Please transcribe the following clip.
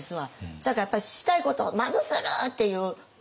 せやからやっぱりしたいことをまずするっていう。